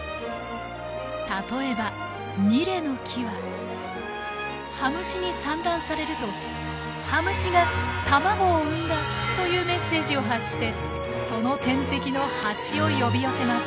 例えばニレの木はハムシに産卵されるとというメッセージを発してその天敵のハチを呼び寄せます。